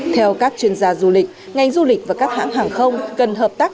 theo các chuyên gia du lịch ngành du lịch và các hãng hàng không cần hợp tác